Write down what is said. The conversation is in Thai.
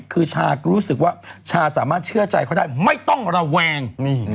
คือชาก็รู้สึกว่าชาสามารถเชื่อใจเขาได้ไม่ต้องระแวง